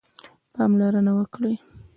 پاملرنه وکړئ